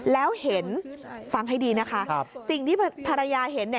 แล้วเห็นฟังให้ดีนะคะสิ่งที่ภรรยาเห็น